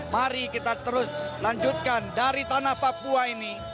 mari kita terus lanjutkan dari tanah papua ini